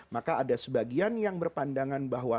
maka ada sebagian yang berpandangan bahwa